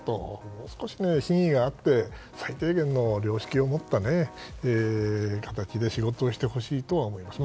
もう少し誠意があって最低限の良識を持った形で仕事をしてほしいとは思います。